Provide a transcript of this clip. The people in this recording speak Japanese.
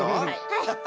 はい！